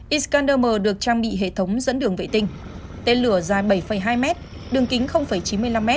iskander m được trang bị hệ thống dẫn đường vệ tinh tên lửa dài bảy hai mét đường kính chín mươi năm mét